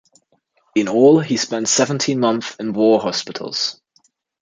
In all he spent seventeen months in war-hospitals.